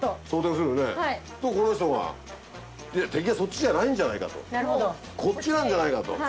するとこの人が「敵はそっちじゃないんじゃないか。こっちなんじゃないか」と。